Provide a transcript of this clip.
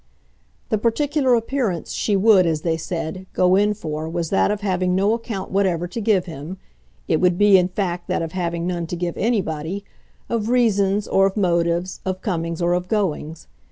The particular appearance she would, as they said, go in for was that of having no account whatever to give him it would be in fact that of having none to give anybody of reasons or of motives, of comings or of goings.